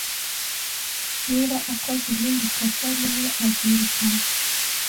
Niba akoze irindi kosa rimwe, azirukanwa